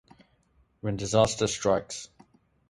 When Disaster Strikes...